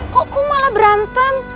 kok malah berantem